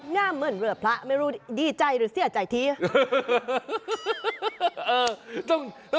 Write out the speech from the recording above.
งามเมื่นเรือพระดีใจหรือเสียใจจั๊ยที